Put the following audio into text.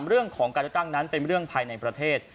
เรื่องของการเลือกตั้งนั้นเป็นเรื่องภายในประเทศ